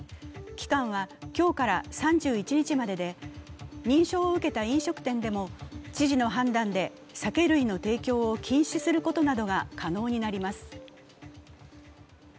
期間は今日から３１日までで認証を受けた飲食店でも知事の判断で酒類の提供を禁止することなどが可能になります。